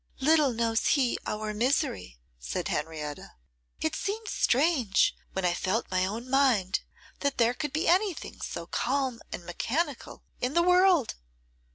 'Little knows he our misery,' said Henrietta. 'It seemed strange, when I felt my own mind, that there could be anything so calm and mechanical in the world.